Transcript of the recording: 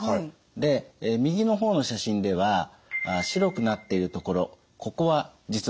で右の方の写真では白くなっているところここは実はがんです。